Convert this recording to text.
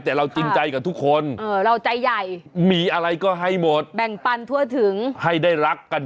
แต่เราจริงใจกับทุกคน